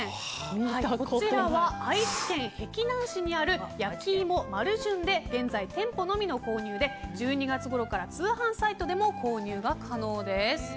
こちらは愛知県碧南市にあるやきいも丸じゅんで現在、店舗のみの購入で１２月ごろから通販サイトでも購入可能です。